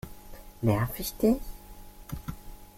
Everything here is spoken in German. Nerve ich dich?